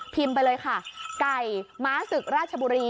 พิมพ์ไปเลยค่ะก่ายม้าศึกราชบุรี